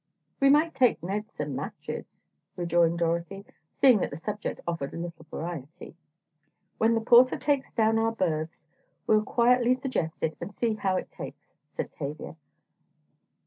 "We might take Ned some matches," rejoined Dorothy, seeing that the subject offered a little variety. "When the porter takes down our berths, we'll quietly suggest it, and see how it takes," said Tavia.